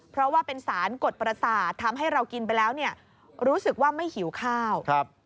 เพราะว่าเป็นสารกดประสาททำให้เรากินไปแล้วเนี่ยรู้สึกว่าไม่หิวข้าว